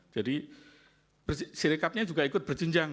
jadi sirikapnya juga ikut berjenjang